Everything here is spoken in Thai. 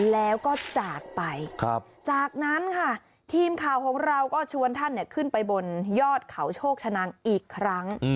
แล้วก็จากไปจากนั้นค่ะทีมข่าวของเราก็ชวนท่านขึ้นไปบนยอดเขาโชคชะนังอีกครั้ง